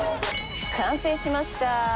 完成しました。